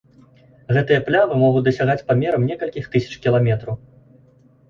Гэтыя плямы могуць дасягаць памерам некалькіх тысяч кіламетраў.